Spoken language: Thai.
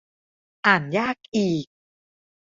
อ่านยากอีก